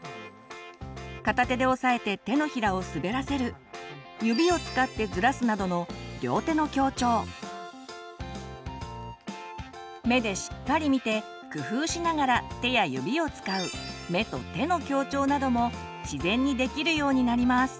片手で押さえて手のひらを滑らせる指を使ってずらすなどの目でしっかり見て工夫しながら手や指を使う自然にできるようになります。